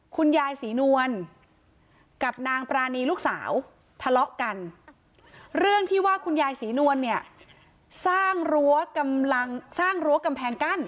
คุณยายศรีนวลกับนางปรานีลูกสาวทะเลาะกันเรื่องที่ว่าคุณยายศรีนวลเนี่ยสร้างรั้วกำลังสร้างรั้วกำแพงกั้น